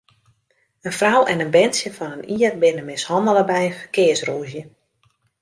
In frou en in berntsje fan in jier binne mishannele by in ferkearsrûzje.